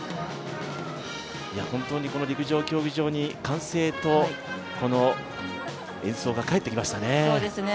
この陸上競技場に歓声と演奏が帰ってきましたね。